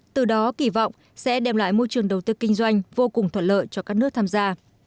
từ đó kỳ vọng sẽ đem lại môi trường đầu tư kinh doanh vô cùng thuận lợi cho các nước tham gia